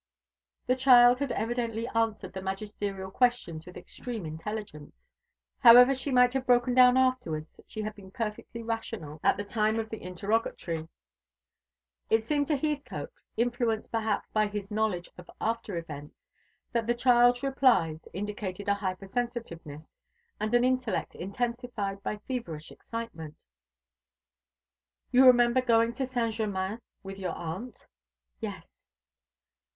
The child had evidently answered the magisterial questions with extreme intelligence. However she might have broken down afterwards, she had been perfectly rational at the time of the interrogatory. It seemed to Heathcote, influenced, perhaps, by his knowledge of after events, that the child's replies indicated a hyper sensitiveness, and an intellect intensified by feverish excitement. "You remember going to Saint Germain with your aunt?" "Yes."